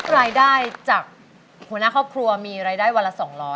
รายได้จากหัวหน้าครอบครัวมีรายได้วันละ๒๐๐